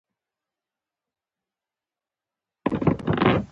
البته رڼا د پخوا په پرتله زیاته شوه.